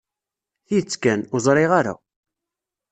Tidet kan, ur ẓriɣ ara.